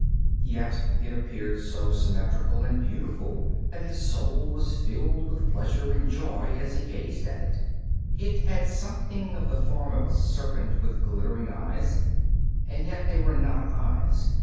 Yet it appeared so symmetrical and beautiful that his soul was filled with pleasure and joy as he gazed at it. It had something of the form of a serpent with glittering eyes, and yet they were not eyes.